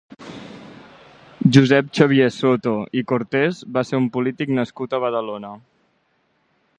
Josep Xavier Soto i Cortés va ser un polític nascut a Badalona.